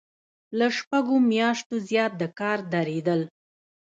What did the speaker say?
له شپږو میاشتو زیات د کار دریدل.